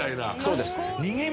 そうです。